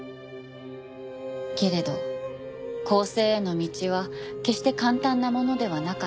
けれど更生への道は決して簡単なものではなかった。